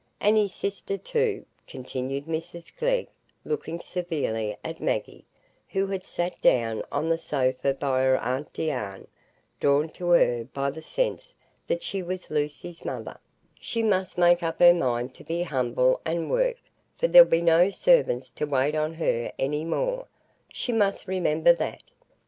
And his sister, too," continued Mrs Glegg, looking severely at Maggie, who had sat down on the sofa by her aunt Deane, drawn to her by the sense that she was Lucy's mother, "she must make up her mind to be humble and work; for there'll be no servants to wait on her any more,—she must remember that.